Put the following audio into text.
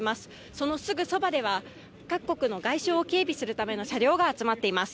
そのすぐそばでは各国の外相を警備するための車両が集まっています。